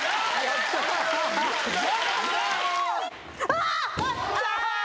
ああ！